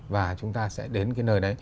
và chúng ta sẽ đến cái nơi đấy